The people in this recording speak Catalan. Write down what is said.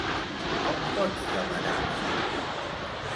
Com pots demanar!?